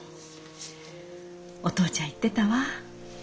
お父ちゃん言ってたわ。